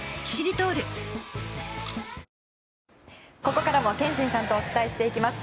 ここからも憲伸さんとお伝えしていきます。